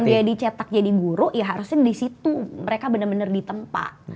sebelum dia dicetak jadi guru ya harusnya disitu mereka bener bener ditempa